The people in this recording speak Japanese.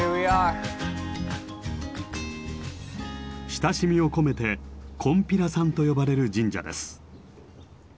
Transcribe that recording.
親しみを込めて「こんぴらさん」と呼ばれる神社です。